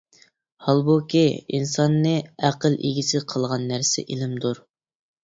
ھالبۇكى، ئىنساننى ئەقىل ئىگىسى قىلغان نەرسە ئىلىمدۇر.